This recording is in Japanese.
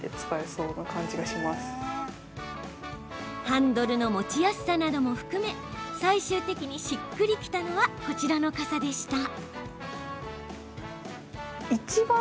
ハンドルの持ちやすさなども含め最終的にしっくりきたのはこちらの傘でした。